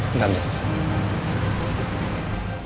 foto yang anda tunjukkan ini bisa dipertanggung jawabkan